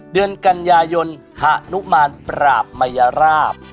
เดือนกันยายนหานุมานปราบมัยราบ